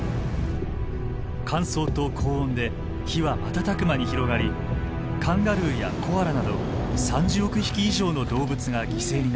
乾燥と高温で火は瞬く間に広がりカンガルーやコアラなど３０億匹以上の動物が犠牲になりました。